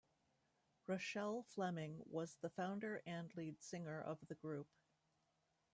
Rochelle Fleming was the founder and lead singer of the group.